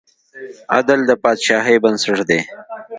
عدل د پاچاهۍ بنسټ دی.